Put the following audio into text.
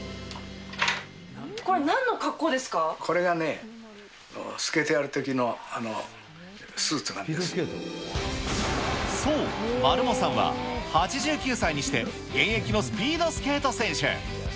これ、これがね、スケートやるときそう、丸茂さんは、８９歳にして現役のスピードスケート選手。